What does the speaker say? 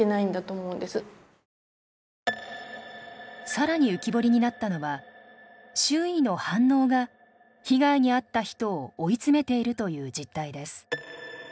更に浮き彫りになったのは周囲の反応が被害に遭った人を追い詰めているという実態です。